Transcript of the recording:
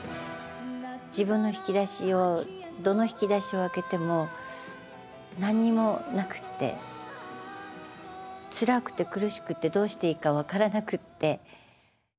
自分の引き出しをどの引き出しを開けても何もなくてつらくて苦しくてどうしていいか分からなくて。